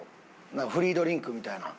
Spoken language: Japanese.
フリードリンクみたいな。